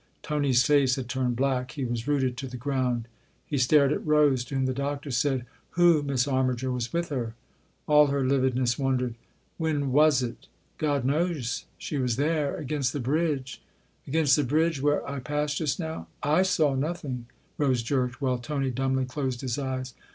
Tony's face had turned black ; he was rooted to the ground ; he stared at Rose, to whom the Doctor said :" Who, Miss Armiger, was with her ?" All her lividness wondered. " When was it ?"" God knows !> She was there against the bridge." " Against the bridge where I passed just now ?/ saw nothing !" Rose jerked, while Tony dumbly closed his eyes.